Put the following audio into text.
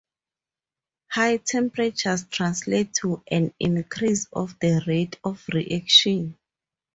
High temperatures translate to an increase of the rate of reaction.